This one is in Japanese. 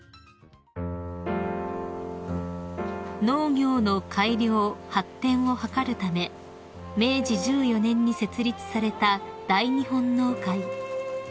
［農業の改良・発展を図るため明治１４年に設立された大日本農会］